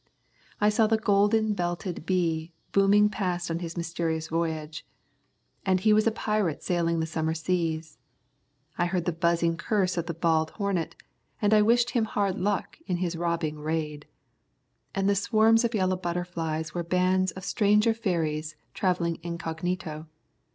I saw the golden belted bee booming past on his mysterious voyage, and he was a pirate sailing the summer seas. I heard the buzzing curse of the bald hornet, and I wished him hard luck on his robbing raid. And the swarms of yellow butterflies were bands of stranger fairies travelling incognito.